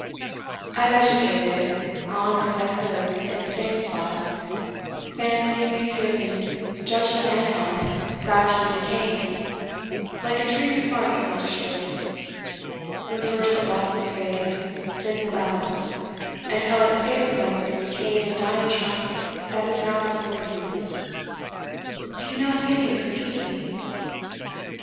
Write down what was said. I vegetated on as I could in the same spot fancy, feeling, judgment, and health, gradually decaying, like a tree whose bark has been destroyed, when first the blossoms fade, then the boughs, until its state resembles the decayed and dying trunk that is now before you. Do you now pity and forgive me?"